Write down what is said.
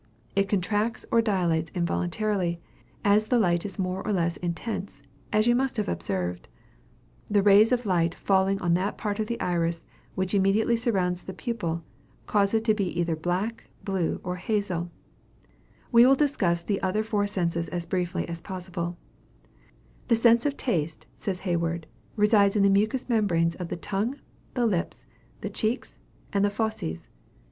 It contracts or dilates involuntarily, as the light is more or less intense, as you must have observed. The rays of light falling on that part of the iris which immediately surrounds the pupil, cause it to be either black, blue, or hazel. We will not linger on this ground, for it belongs more properly to Natural Philosophy. We will discuss the other four senses as briefly as possible. "The sense of taste," says Hayward, "resides in the mucus membrane of the tongue, the lips, the cheeks, and the fauces."